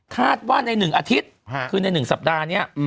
คาดว่าใน๑อาทิตย์คือใน๑สัปดาห์นี้